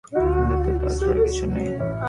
আমাদের এত তাড়াহুড়োর কিছু নেই।